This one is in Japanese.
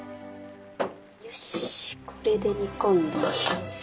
よしこれで煮込んだら完成。